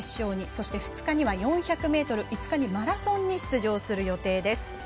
そして、２日には４００ｍ５日マラソンに出場する予定です。